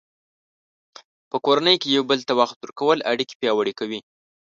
په کورنۍ کې یو بل ته وخت ورکول اړیکې پیاوړې کوي.